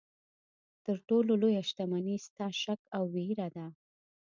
تر ټولو لویه دښمني ستا شک او ویره ده.